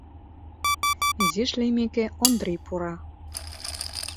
Изиш лиймеке, Ондрий пура.